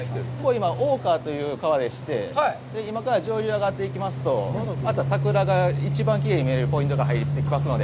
今、大川という川でして、今から上流に上がっていきますと、桜が一番きれいに見えるポイントに入っていきますので。